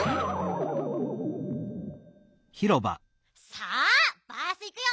さあバースいくよ！